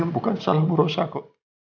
bukan salah berusaha kok